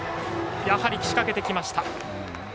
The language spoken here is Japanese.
やはり仕掛けてきました。